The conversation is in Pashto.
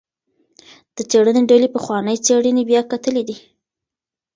د څیړنې ډلې پخوانۍ څیړنې بیا کتلي دي.